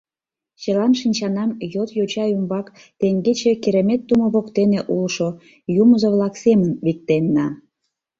Чылан шинчанам йот йоча ӱмбак теҥгече Керемет тумо воктене улшо юмызо-влак семын виктенна.